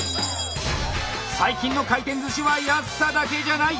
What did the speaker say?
最近の回転寿司は安さだけじゃない。